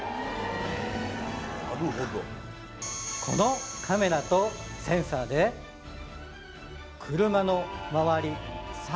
このカメラとセンサーで車の周り